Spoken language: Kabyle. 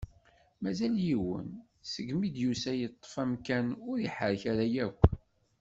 Mazal yiwen, seg mi i d-yusa yeṭṭef amkan ur iḥerrek ara akk.